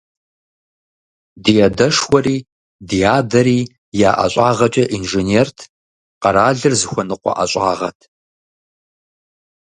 Ди адэшхуэри, ди адэри я ӀэщӀагъэкӀэ инженерт, къэралыр зыхуэныкъуэ ӀэщӀагъэт.